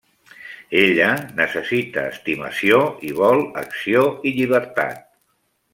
Ella necessita estimació i vol acció i llibertat.